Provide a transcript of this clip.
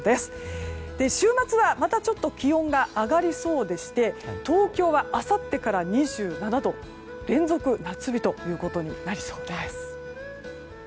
週末は、またちょっと気温が上がりそうでして東京はあさってから２７度連続夏日となりそうです。